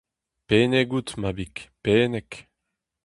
Pennek out, mabig, pennek ;